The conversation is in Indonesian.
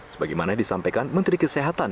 sebagaimana disampaikan menteri kesehatan